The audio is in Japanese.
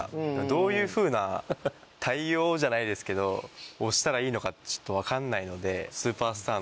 どういうふうな対応じゃないですけどをしたらいいのかちょっと分かんないので。